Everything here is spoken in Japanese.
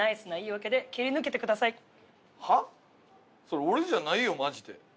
それオレじゃないよマジで！」